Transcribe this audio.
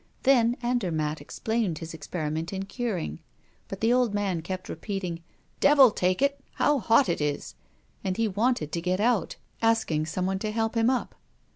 Then Andermatt explained his experiment in curing. But the old man kept repeating: "Devil take it! how hot it is!" And he wanted to get out, asking some one to help him up.